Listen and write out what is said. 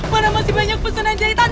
mana masih banyak pesenan jahitan